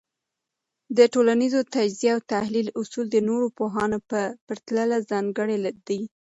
د ټولنيز تجزیه او تحلیل اصول د نورو پوهانو په پرتله ځانګړي دي.